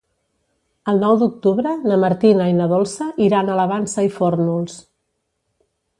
El nou d'octubre na Martina i na Dolça iran a la Vansa i Fórnols.